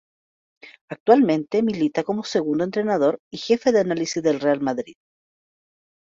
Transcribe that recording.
Actualmente milita como segundo entrenador y jefe de analistas del Real Madrid.